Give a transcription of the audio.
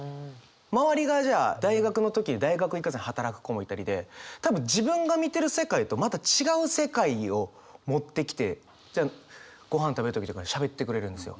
周りがじゃあ大学の時に大学行かずに働く子もいたりで多分自分が見てる世界とまた違う世界を持ってきてごはん食べる時とかしゃべってくれるんですよ。